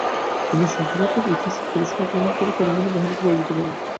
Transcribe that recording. তিনি সাতারার ইভাতেশ্বর গ্যারিসন আক্রমণ করে তারাবাঈয়ের বাহিনীকে পরাজিত করেন।